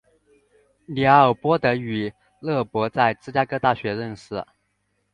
李奥波德与勒伯在芝加哥大学认识。